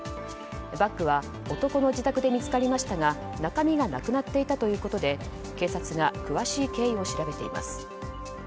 バッグは男の自宅で見つかりましたが中身がなくなっていたということで警察が詳しい経緯を調べています。